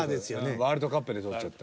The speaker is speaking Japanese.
ワールドカップで取っちゃった。